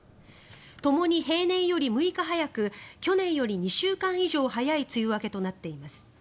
ともに平年より６日早く去年より２週間以上早い梅雨明けとなっています。